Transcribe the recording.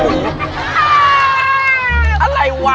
ต้องไปหลังอะ